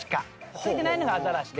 付いてないのがアザラシで。